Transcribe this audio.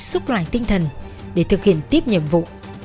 xúc loại tinh thần để thực hiện tiếp nhiệm vụ